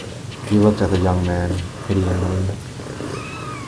He looked at the young man pityingly.